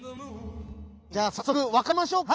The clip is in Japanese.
じゃあ早速分かれましょうか。